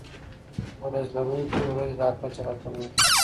وریځ لرونکي ورځې دا کچه راکموي.